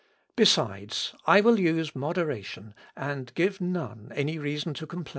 Besides, I will use moderation, and give none any reason to complain."